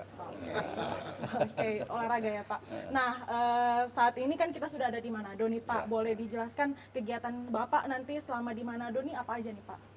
oke olahraga ya pak nah saat ini kan kita sudah ada di mana doni pak boleh dijelaskan kegiatan bapak nanti selama di manado ini apa aja nih pak